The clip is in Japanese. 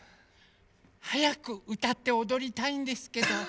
はやくうたっておどりたいんですけど。